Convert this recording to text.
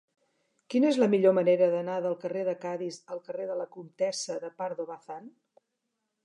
Quina és la millor manera d'anar del carrer de Cadis al carrer de la Comtessa de Pardo Bazán?